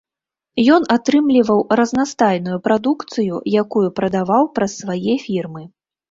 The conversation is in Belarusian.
Ён атрымліваў разнастайную прадукцыю, якую прадаваў праз свае фірмы.